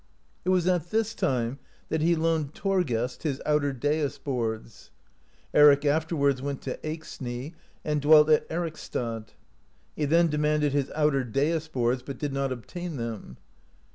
It was at this time that he loaned Thorgest his outer dais boards (19) ; Eric af terwards went to Eyxney, and dwelt at Ericsstad. He then demanded his outer dais boards, but did not obtain them.